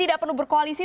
tidak perlu berkoalisi